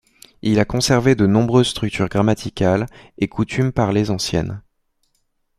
Il a conservé de nombreuses structures grammaticales et coutumes parlées anciennes.